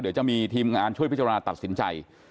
เดี๋ยวจะมีทีมงานช่วยพิจารณาตัดสินใจ